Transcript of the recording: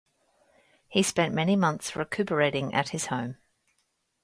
He spent many months recuperating at his home.